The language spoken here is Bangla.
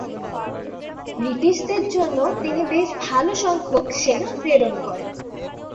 ব্রিটিশদের জন্য তিনি বেশ ভালো সংখ্যক সেনা প্রেরণ করেন।